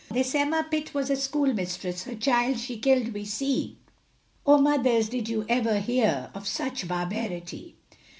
This Emma Pitt was a schoolmistress, Her child she killed we see, Oh mothers, did you ever hear, Of such barbarity.